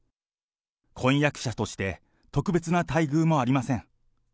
婚約者として特別な待遇もありません。